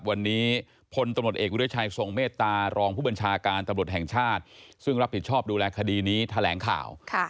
วันนี้พลตำรวจเอกวิทยาชัยทรงเมตตารองผู้บัญชาการตำรวจแห่งชาติซึ่งรับผิดชอบดูแลคดีนี้แถลงข่าว